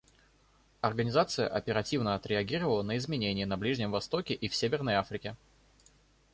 Организация оперативно отреагировала на изменения на Ближнем Востоке и в Северной Африке.